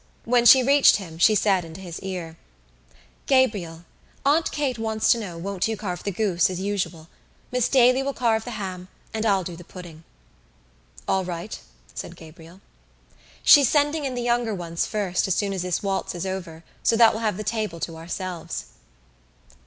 When she reached him she said into his ear: "Gabriel, Aunt Kate wants to know won't you carve the goose as usual. Miss Daly will carve the ham and I'll do the pudding." "All right," said Gabriel. "She's sending in the younger ones first as soon as this waltz is over so that we'll have the table to ourselves."